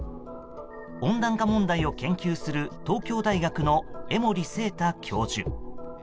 温暖化問題を研究する東京大学の江守正多教授。